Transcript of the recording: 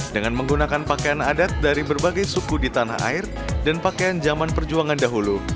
dengan menggunakan pakaian adat dari berbagai suku di tanah air dan pakaian zaman perjuangan dahulu